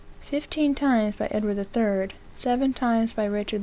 fifteen times by Edward III., seven times by Richard II.